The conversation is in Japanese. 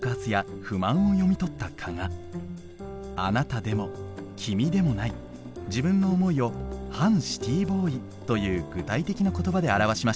「あなた」でも「きみ」でもない自分の思いを「反シティーボーイ」という具体的な言葉で表しました。